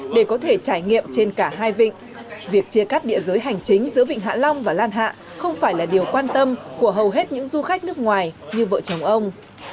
để có thể trải nghiệm trên cả hai vịnh việc chia cắt địa giới hành chính giữa vịnh hạ long và lan hạ không phải là điều quan tâm của hầu hết những du khách nước ngoài như vợ chồng ông